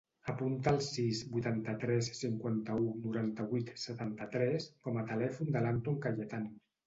Apunta el sis, vuitanta-tres, cinquanta-u, noranta-vuit, setanta-tres com a telèfon de l'Anton Cayetano.